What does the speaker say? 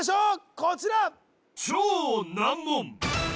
こちら